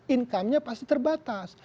income nya pasti terbatas